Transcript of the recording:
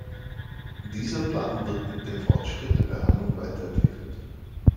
Dieser Plan wird mit dem Fortschritt der Behandlung weiterentwickelt.